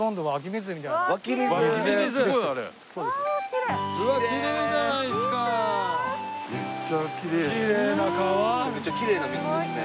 めちゃめちゃきれいな水ですね。